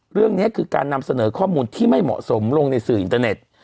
เรื่องนี้คือการนำเสนอข้อมูลที่ไม่เหมาะสมลงในสื่ออินเตอร์เน็ต